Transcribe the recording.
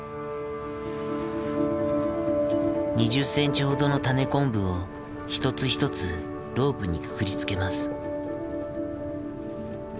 ２０センチほどの種コンブを一つ一つロープにくくりつけます。